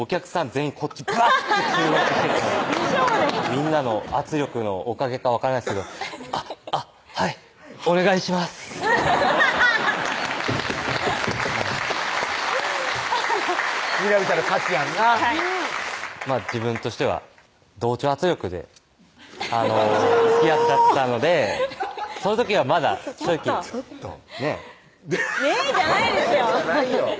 全員こっちばっと注目しててみんなの圧力のおかげかわからないですけど「あっはいお願いします」南ちゃんの勝ちやんなはい自分としては同調圧力でつきあっちゃったのでその時はまだ正直ねぇ「ねぇ」じゃないですよじゃないよ